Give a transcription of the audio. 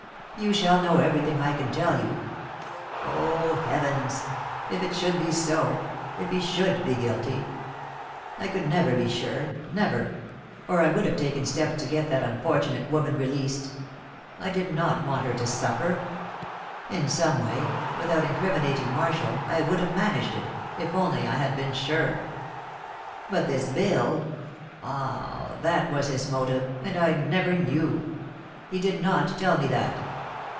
"You shall know everything I can tell you. Oh, Heavens! If it should be so if he should be guilty! I could never be sure never; or I would have taken steps to get that unfortunate woman released; I did not want her to suffer. In some way without incriminating Marshall I would have managed it, if only I had been sure! But this bill ah! that was his motive, and I never knew! He did not tell me that.